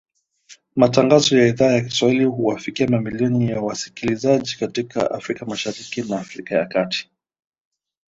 Matangazo ya Idhaa ya Kiswahili huwafikia mamilioni ya wasikilizaji katika Afrika Mashariki na Afrika ya kati .